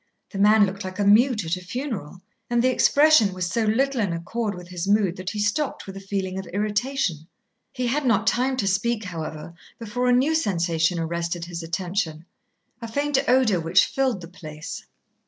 The man looked like a mute at a funeral, and the expression was so little in accord with his mood that he stopped with a feeling of irritation. He had not time to speak, however, before a new sensation arrested his attention, a faint odour which filled the place.